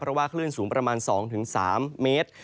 เพราะว่าคลื่นสูงประมาณ๒๓เมตร